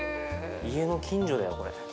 家の近所だよこれ。